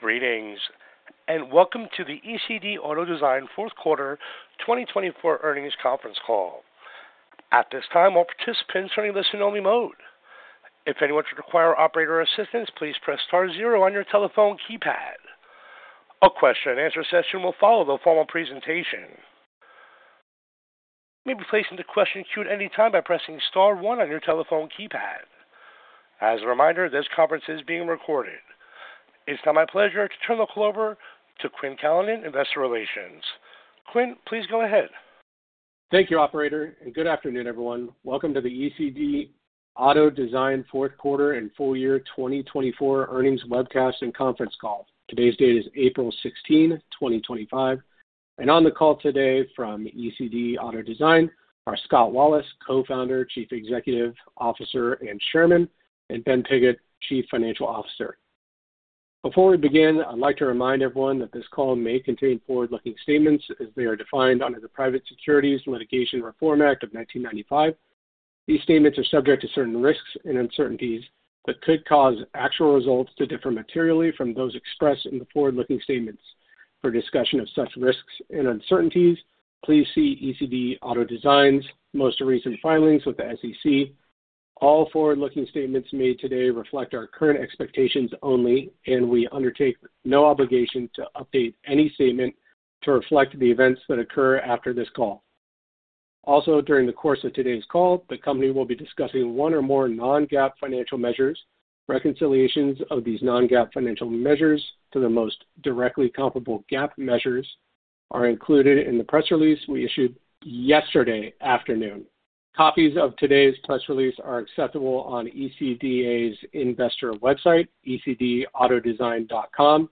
Greetings, and welcome to the ECD Automotive Design Fourth Quarter 2024 Earnings Conference Call. At this time, all participants are in the listen-only mode. If anyone should require operator assistance, please press star zero on your telephone keypad. A question-and-answer session will follow the formal presentation. You may be placed into the question queue at any time by pressing star one on your telephone keypad. As a reminder, this conference is being recorded. It's now my pleasure to turn the call over to Quinn Callanan, Investor Relations. Quinn, please go ahead. Thank you, Operator. Good afternoon, everyone. Welcome to the ECD Automotive Design Fourth Quarter and full year 2024 earnings webcast and conference call. Today's date is April 16, 2025. On the call today from ECD Automotive Design are Scott Wallace, Co-founder, Chief Executive Officer, and Chairman, and Ben Piggott, Chief Financial Officer. Before we begin, I'd like to remind everyone that this call may contain forward-looking statements as they are defined under the Private Securities Litigation Reform Act of 1995. These statements are subject to certain risks and uncertainties that could cause actual results to differ materially from those expressed in the forward-looking statements. For discussion of such risks and uncertainties, please see ECD Automotive Design's most recent filings with the SEC. All forward-looking statements made today reflect our current expectations only, and we undertake no obligation to update any statement to reflect the events that occur after this call. Also, during the course of today's call, the company will be discussing one or more non-GAAP financial measures. Reconciliations of these non-GAAP financial measures to the most directly comparable GAAP measures are included in the press release we issued yesterday afternoon. Copies of today's press release are accessible on ECDA's investor website, ecdautodesign.com.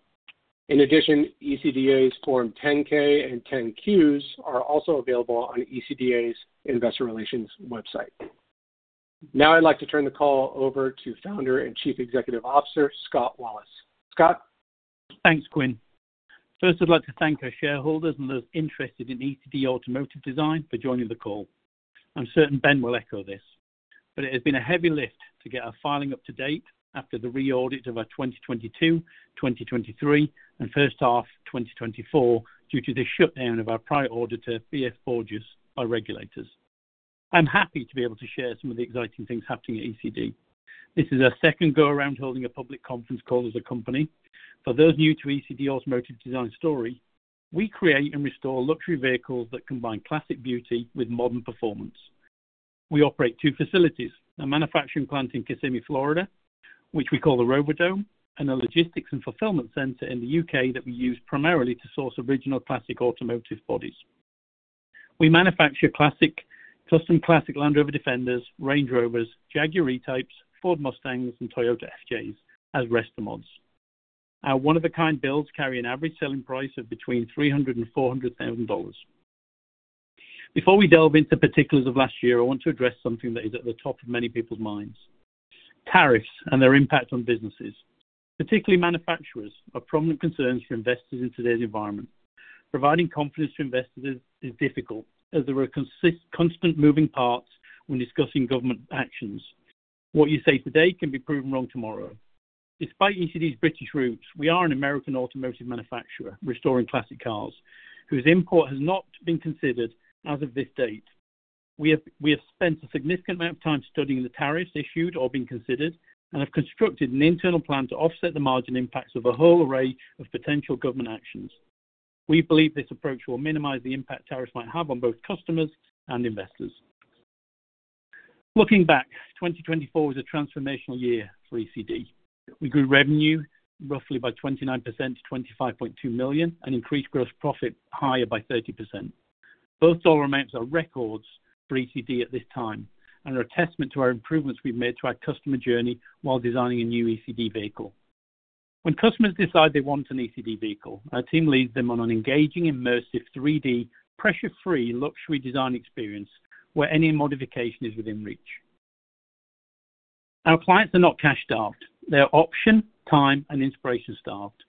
In addition, ECDA's Form 10-K and 10-Qs are also available on ECDA's investor relations website. Now, I'd like to turn the call over to Founder and Chief Executive Officer, Scott Wallace. Scott? Thanks, Quinn. First, I'd like to thank our shareholders and those interested in ECD Automotive Design for joining the call. I'm certain Ben will echo this, but it has been a heavy lift to get our filing up to date after the re-audit of our 2022, 2023, and first half 2024 due to the shutdown of our prior auditor, B.F. Borges, by regulators. I'm happy to be able to share some of the exciting things happening at ECD. This is our second go-around holding a public conference call as a company. For those new to the ECD Automotive Design story, we create and restore luxury vehicles that combine classic beauty with modern performance. We operate two facilities: a manufacturing plant in Kissimmee, Florida, which we call the Robodome, and a logistics and fulfillment center in the U.K. that we use primarily to source original classic automotive bodies. We manufacture custom classic Land Rover Defenders, Range Rovers, Jaguar E-Types, Ford Mustangs, and Toyota FJs as restomods. Our one-of-a-kind builds carry an average selling price of between $300,000 and $400,000. Before we delve into particulars of last year, I want to address something that is at the top of many people's minds: tariffs and their impact on businesses. Particularly manufacturers are prominent concerns for investors in today's environment. Providing confidence to investors is difficult as there are constant moving parts when discussing government actions. What you say today can be proven wrong tomorrow. Despite ECD's British roots, we are an American automotive manufacturer restoring classic cars whose import has not been considered as of this date. We have spent a significant amount of time studying the tariffs issued or being considered and have constructed an internal plan to offset the margin impacts of a whole array of potential government actions. We believe this approach will minimize the impact tariffs might have on both customers and investors. Looking back, 2024 was a transformational year for ECD. We grew revenue roughly by 29% to $25.2 million and increased gross profit higher by 30%. Both dollar amounts are records for ECD at this time and are a testament to our improvements we've made to our customer journey while designing a new ECD vehicle. When customers decide they want an ECD vehicle, our team leads them on an engaging, immersive 3D pressure-free luxury design experience where any modification is within reach. Our clients are not cash-staffed. They are option, time, and inspiration-staffed.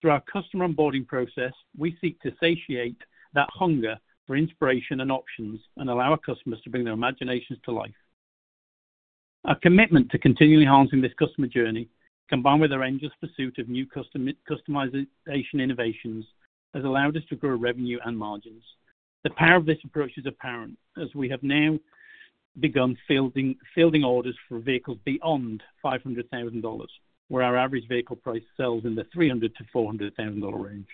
Through our customer onboarding process, we seek to satiate that hunger for inspiration and options and allow our customers to bring their imaginations to life. Our commitment to continually honing this customer journey, combined with our endless pursuit of new customization innovations, has allowed us to grow revenue and margins. The power of this approach is apparent as we have now begun fielding orders for vehicles beyond $500,000, where our average vehicle price sells in the $300,000-$400,000 range.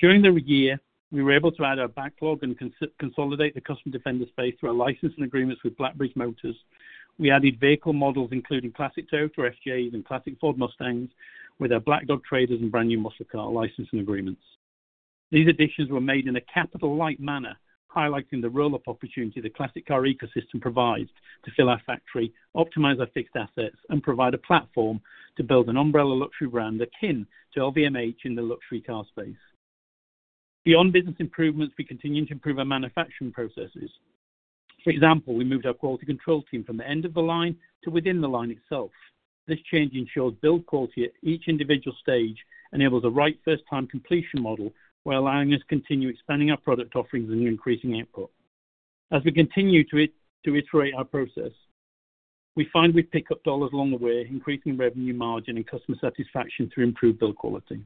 During the year, we were able to add our backlog and consolidate the custom Defender space through our license and agreements with Blackbridge Motors. We added vehicle models including classic Toyota FJs and classic Ford Mustangs with our Black Dog Traders and brand new muscle car license and agreements. These additions were made in a capital-like manner, highlighting the roll-up opportunity the classic car ecosystem provides to fill our factory, optimize our fixed assets, and provide a platform to build an umbrella luxury brand akin to LVMH in the luxury car space. Beyond business improvements, we continue to improve our manufacturing processes. For example, we moved our quality control team from the end of the line to within the line itself. This change ensures build quality at each individual stage and enables a right first-time completion model while allowing us to continue expanding our product offerings and increasing input. As we continue to iterate our process, we find we pick up dollars along the way, increasing revenue margin and customer satisfaction through improved build quality.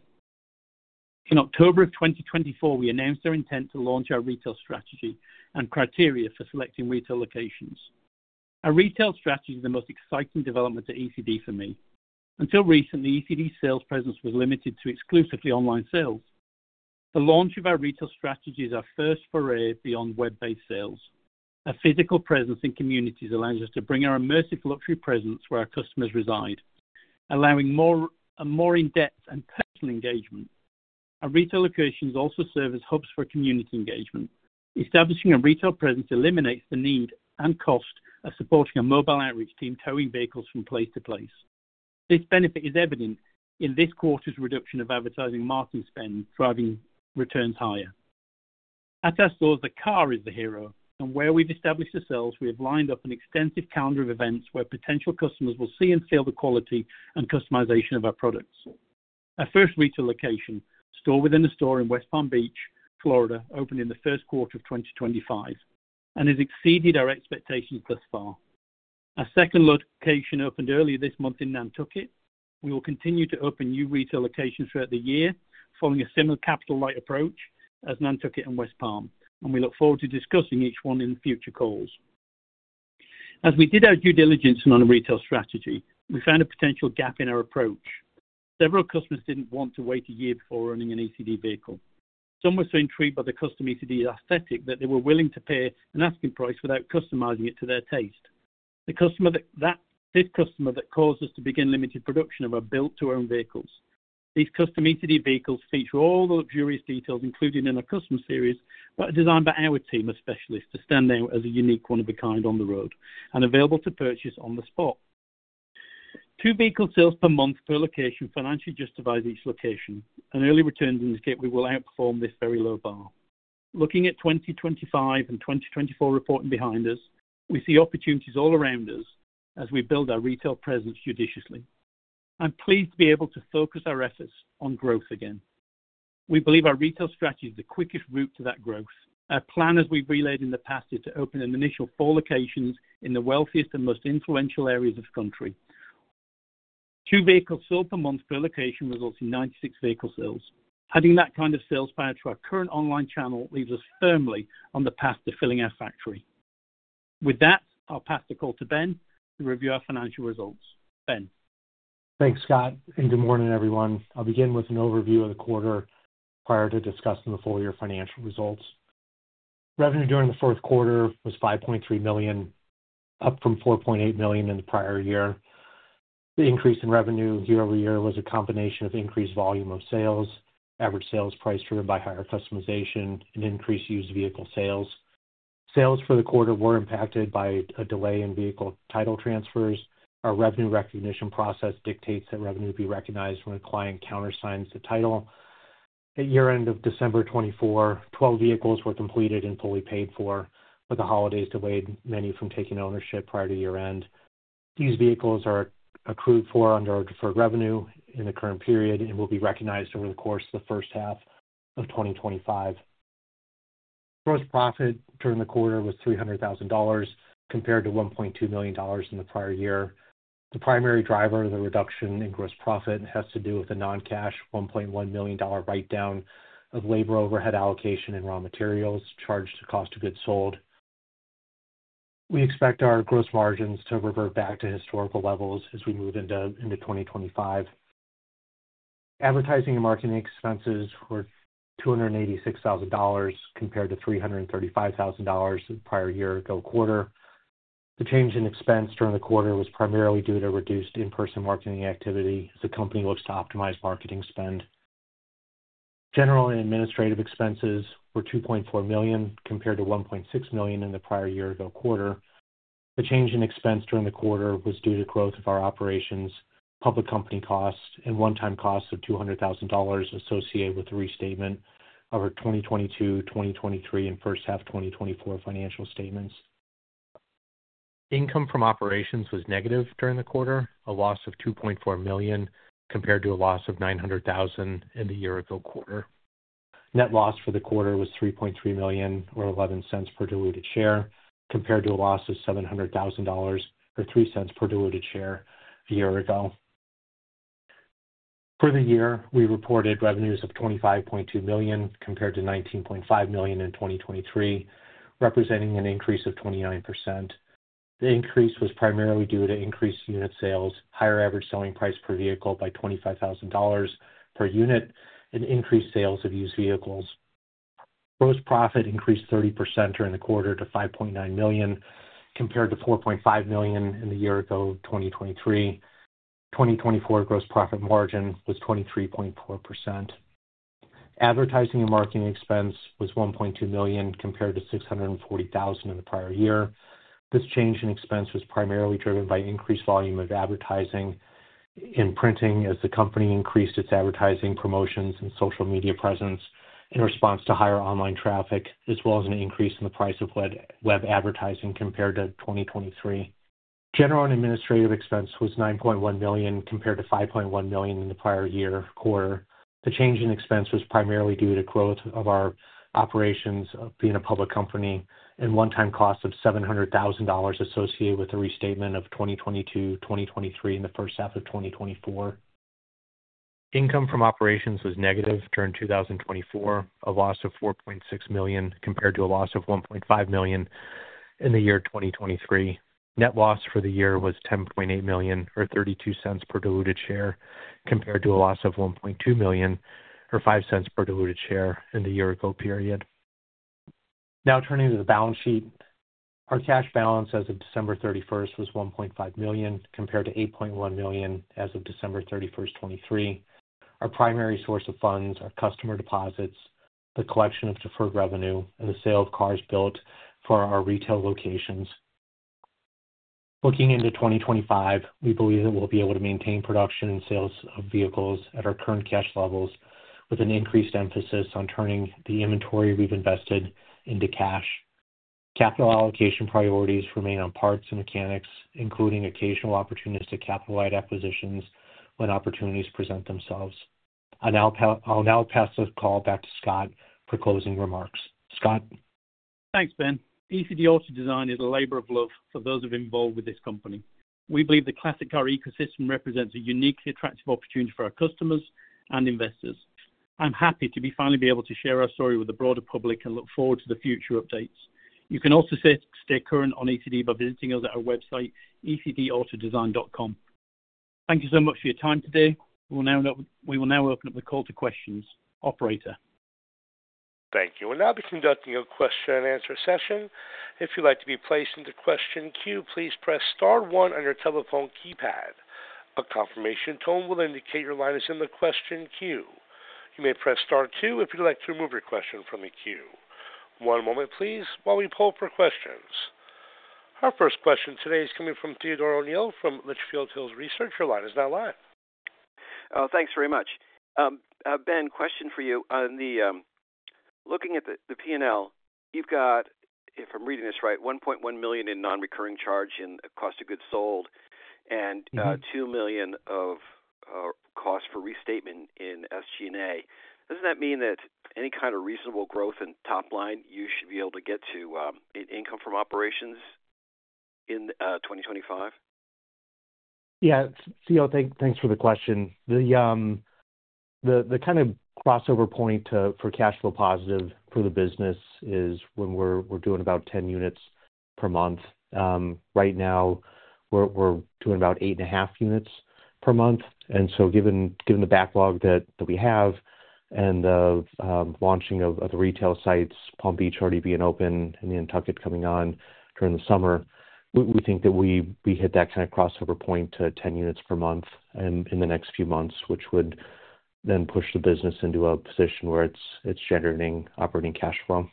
In October of 2024, we announced our intent to launch our retail strategy and criteria for selecting retail locations. Our retail strategy is the most exciting development at ECD for me. Until recently, ECD's sales presence was limited to exclusively online sales. The launch of our retail strategy is our first foray beyond web-based sales. Our physical presence in communities allows us to bring our immersive luxury presence where our customers reside, allowing more in-depth and personal engagement. Our retail locations also serve as hubs for community engagement. Establishing a retail presence eliminates the need and cost of supporting a mobile outreach team towing vehicles from place to place. This benefit is evident in this quarter's reduction of advertising marketing spend, driving returns higher. At our stores, the car is the hero, and where we've established ourselves, we have lined up an extensive calendar of events where potential customers will see and feel the quality and customization of our products. Our first retail location, store within a store in West Palm Beach, Florida, opened in the first quarter of 2024 and has exceeded our expectations thus far. Our second location opened earlier this month in Nantucket. We will continue to open new retail locations throughout the year following a similar capital-light approach as Nantucket and West Palm, and we look forward to discussing each one in future calls. As we did our due diligence on our retail strategy, we found a potential gap in our approach. Several customers did not want to wait a year before owning an ECD vehicle. Some were so intrigued by the custom ECD aesthetic that they were willing to pay an asking price without customizing it to their taste. This customer that caused us to begin limited production of our built-to-own vehicles. These custom ECD vehicles feature all the luxurious details included in our custom series but are designed by our team of specialists to stand out as a unique one of a kind on the road and available to purchase on the spot. Two vehicle sales per month per location financially justifies each location, and early returns indicate we will outperform this very low bar. Looking at 2025 and 2024 reporting behind us, we see opportunities all around us as we build our retail presence judiciously. I'm pleased to be able to focus our efforts on growth again. We believe our retail strategy is the quickest route to that growth. Our plan, as we've relayed in the past, is to open an initial four locations in the wealthiest and most influential areas of the country. Two vehicles sold per month per location results in 96 vehicle sales. Adding that kind of sales power to our current online channel leaves us firmly on the path to filling our factory. With that, I'll pass the call to Ben to review our financial results. Ben. Thanks, Scott, and good morning, everyone. I'll begin with an overview of the quarter prior to discussing the full year financial results. Revenue during the fourth quarter was $5.3 million, up from $4.8 million in the prior year. The increase in revenue year over year was a combination of increased volume of sales, average sales price driven by higher customization, and increased used vehicle sales. Sales for the quarter were impacted by a delay in vehicle title transfers. Our revenue recognition process dictates that revenue be recognized when a client countersigns the title. At year-end of December 2024, 12 vehicles were completed and fully paid for, but the holidays delayed many from taking ownership prior to year-end. These vehicles are accrued for under our deferred revenue in the current period and will be recognized over the course of the first half of 2025. Gross profit during the quarter was $300,000 compared to $1.2 million in the prior year. The primary driver of the reduction in gross profit has to do with a non-cash $1.1 million write-down of labor overhead allocation and raw materials charged to cost of goods sold. We expect our gross margins to revert back to historical levels as we move into 2025. Advertising and marketing expenses were $286,000 compared to $335,000 the prior year quarter. The change in expense during the quarter was primarily due to reduced in-person marketing activity as the company looks to optimize marketing spend. General and administrative expenses were $2.4 million compared to $1.6 million in the prior year quarter. The change in expense during the quarter was due to growth of our operations, public company costs, and one-time costs of $200,000 associated with the restatement of our 2022, 2023, and first half 2024 financial statements. Income from operations was negative during the quarter, a loss of $2.4 million compared to a loss of $900,000 in the year ago quarter. Net loss for the quarter was $3.3 million or $0.11 per diluted share compared to a loss of $700,000 or $0.03 per diluted share a year ago. For the year, we reported revenues of $25.2 million compared to $19.5 million in 2023, representing an increase of 29%. The increase was primarily due to increased unit sales, higher average selling price per vehicle by $25,000 per unit, and increased sales of used vehicles. Gross profit increased 30% during the quarter to $5.9 million compared to $4.5 million in the year ago 2023. 2024 gross profit margin was 23.4%. Advertising and marketing expense was $1.2 million compared to $640,000 in the prior year. This change in expense was primarily driven by increased volume of advertising and printing as the company increased its advertising, promotions, and social media presence in response to higher online traffic, as well as an increase in the price of web advertising compared to 2023. General and administrative expense was $9.1 million compared to $5.1 million in the prior year quarter. The change in expense was primarily due to growth of our operations being a public company and one-time cost of $700,000 associated with the restatement of 2022, 2023, and the first half of 2024. Income from operations was negative during 2024, a loss of $4.6 million compared to a loss of $1.5 million in the year 2023. Net loss for the year was $10.8 million or $0.32 per diluted share compared to a loss of $1.2 million or $0.05 per diluted share in the year ago period. Now turning to the balance sheet, our cash balance as of December 31 was $1.5 million compared to $8.1 million as of December 31, 2023. Our primary source of funds are customer deposits, the collection of deferred revenue, and the sale of cars built for our retail locations. Looking into 2025, we believe that we'll be able to maintain production and sales of vehicles at our current cash levels with an increased emphasis on turning the inventory we've invested into cash. Capital allocation priorities remain on parts and mechanics, including occasional opportunistic capital-wide acquisitions when opportunities present themselves. I'll now pass the call back to Scott for closing remarks. Scott. Thanks, Ben. ECD Auto Design is a labor of love for those involved with this company. We believe the classic car ecosystem represents a uniquely attractive opportunity for our customers and investors. I'm happy to finally be able to share our story with the broader public and look forward to the future updates. You can also stay current on ECD by visiting us at our website, ecdautodesign.com. Thank you so much for your time today. We will now open up the call to questions. Operator? Thank you. We'll now be conducting a question-and-answer session. If you'd like to be placed into question queue, please press Star one on your telephone keypad. A confirmation tone will indicate your line is in the question queue. You may press Star two if you'd like to remove your question from the queue. One moment, please, while we pull up our questions. Our first question today is coming from Theodore O'Neill from Litchfield Hills Research. Your line is now live. Thanks very much. Ben, question for you. Looking at the P&L, you've got, if I'm reading this right, $1.1 million in non-recurring charge in cost of goods sold and $2 million of cost for restatement in SG&A. Doesn't that mean that any kind of reasonable growth in top line you should be able to get to in income from operations in 2025? Yeah. Theo, thanks for the question. The kind of crossover point for cash flow positive for the business is when we're doing about 10 units per month. Right now, we're doing about 8.5 units per month. Given the backlog that we have and the launching of the retail sites, Palm Beach already being open and Nantucket coming on during the summer, we think that we hit that kind of crossover point to 10 units per month in the next few months, which would then push the business into a position where it's generating operating cash flow.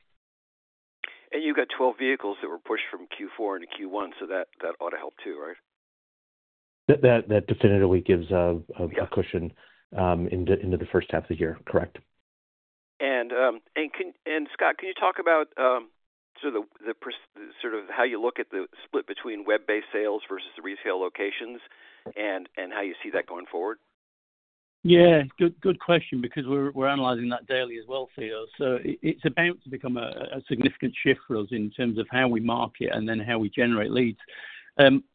You have 12 vehicles that were pushed from Q4 into Q1, so that ought to help too, right? That definitely gives a cushion into the first half of the year, correct? Scott, can you talk about sort of how you look at the split between web-based sales versus the retail locations and how you see that going forward? Yeah. Good question because we're analyzing that daily as well, Theo. It is about to become a significant shift for us in terms of how we market and then how we generate leads.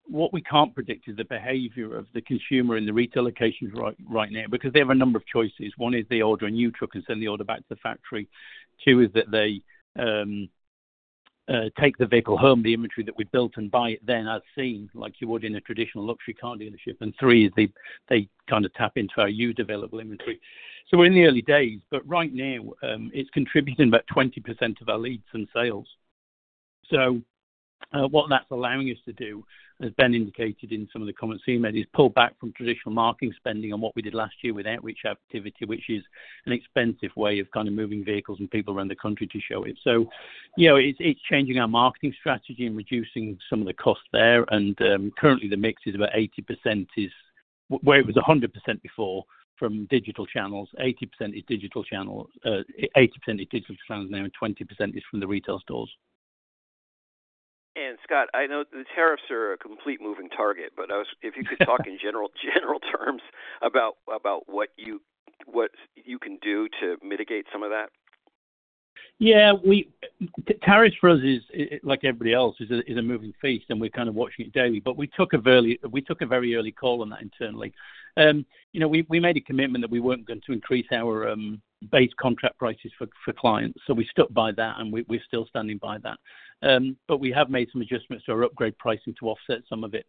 What we can't predict is the behavior of the consumer in the retail locations right now because they have a number of choices. One is they order a new truck and send the order back to the factory. Two is that they take the vehicle home, the inventory that we've built, and buy it then as seen like you would in a traditional luxury car dealership. Three is they kind of tap into our used available inventory. We are in the early days, but right now, it is contributing about 20% of our leads and sales. What that's allowing us to do, as Ben indicated in some of the comments he made, is pull back from traditional marketing spending on what we did last year with outreach activity, which is an expensive way of kind of moving vehicles and people around the country to show it. It's changing our marketing strategy and reducing some of the costs there. Currently, the mix is about 80% is where it was 100% before from digital channels. 80% is digital channels. 80% is digital channels now, and 20% is from the retail stores. Scott, I know the tariffs are a complete moving target, but if you could talk in general terms about what you can do to mitigate some of that? Yeah. Tariffs for us, like everybody else, is a moving feast, and we're kind of watching it daily. We took a very early call on that internally. We made a commitment that we weren't going to increase our base contract prices for clients. We stuck by that, and we're still standing by that. We have made some adjustments to our upgrade pricing to offset some of it.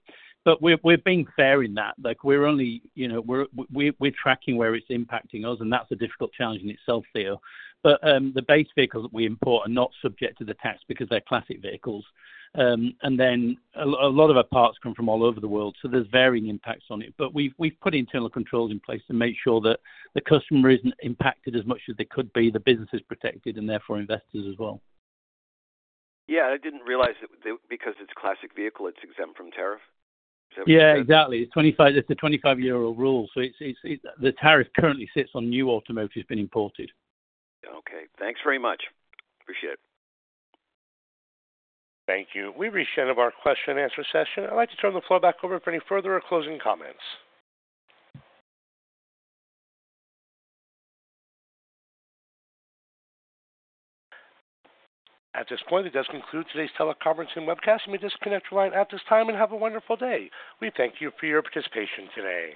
We're being fair in that. We're tracking where it's impacting us, and that's a difficult challenge in itself, Theo. The base vehicles that we import are not subject to the tax because they're classic vehicles. A lot of our parts come from all over the world, so there's varying impacts on it. We've put internal controls in place to make sure that the customer isn't impacted as much as they could be, the business is protected, and therefore investors as well. Yeah. I didn't realize that because it's a classic vehicle, it's exempt from tariff. Is that what you're saying? Yeah. Exactly. It's a 25-year-old rule. The tariff currently sits on new automotive being imported. Okay. Thanks very much. Appreciate it. Thank you. We've reached the end of our question-and-answer session. I'd like to turn the floor back over for any further or closing comments. At this point, it does conclude today's teleconferencing webcast. We may disconnect your line at this time and have a wonderful day. We thank you for your participation today.